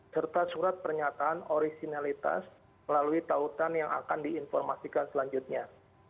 serta surat pernyataan originalitas melalui tautan yang akan diinformasikan selanjutnya